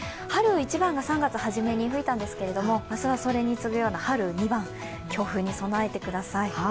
春一番が３月はじめに吹いたんですけど、明日はそれに次ぐような春二番、強風に備えてください。